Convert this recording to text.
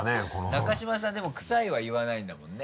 中島さんでもクサいは言わないんだもんね？